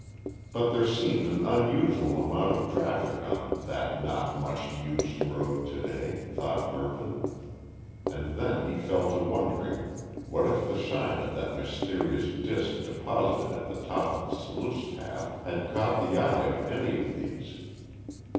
But there seemed an unusual amount of traffic on that not much used road to day, thought Mervyn and then he fell to wondering what if the shine of that mysterious disc deposited at the top of the sluice path, had caught the eye of any of these?